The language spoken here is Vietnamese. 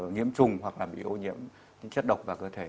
nhiễm trùng hoặc là bị ô nhiễm những chất độc vào cơ thể